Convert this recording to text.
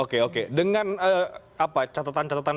oke oke dengan catatan catatan